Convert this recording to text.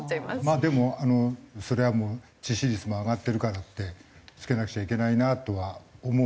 まあでもそれはもう致死率も上がってるからって着けなくちゃいけないなとは思うよ。